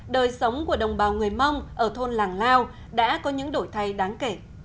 đời sống của đồng bào người mông ở thôn làng lao đã có những đổi thay đáng kể